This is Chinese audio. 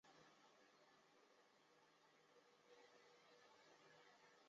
向传师是宋朝政治人物。